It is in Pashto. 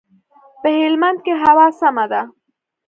په هلمند کښي هوا سمه ده.